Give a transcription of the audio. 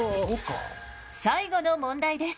最後の問題です。